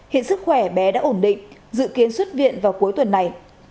hiện sức khỏe bé đã ổn định dự kiến xuất viện vào cuối tuần này